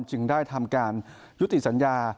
จึงได้ทำการยุติสัญญา